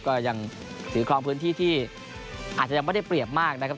ก็ยังถือครองพื้นที่ที่อาจจะยังไม่ได้เปรียบมากนะครับ